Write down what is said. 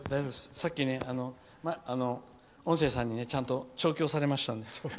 さっきね、音声さんにねちゃんと調教されましたので。